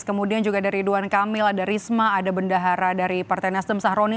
kemudian juga ada ridwan kamil ada risma ada bendahara dari partai nasdem sahroni